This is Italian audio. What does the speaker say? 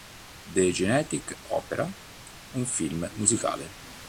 The Genetic Opera", un film musicale.